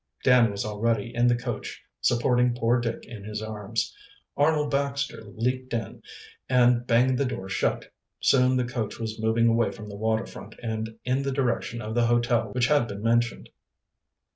Dan was already in the coach, supporting poor Dick in his arms. Arnold Baxter leaped in and banged the door shut. Soon the coach was moving away from the water front and in the direction of the hotel which had been mentioned.